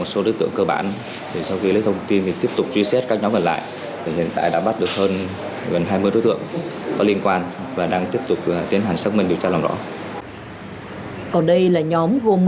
tại hiện trường công an thu giữ nhiều chai thủy tinh các đối tượng dùng làm bom xăng